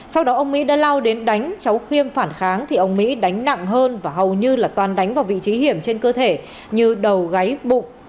sau đó ông mỹ đã lao đến đánh cháu khiêm phản kháng thì ông mỹ đánh nặng hơn và hầu như là toàn đánh vào vị trí hiểm trên cơ thể như đầu gáy bụng